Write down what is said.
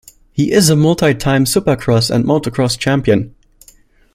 He is a multi-time supercross and motocross champion.